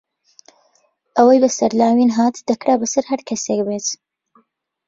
ئەوەی بەسەر لاوین هات، دەکرا بەسەر هەر کەسێک بێت.